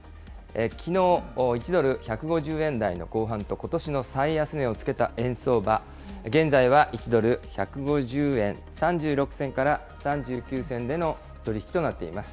きのう、１ドル１５０円台の後半と、ことしの最安値をつけた円相場、現在は１ドル１５０円３６銭から３９銭での取り引きとなっています。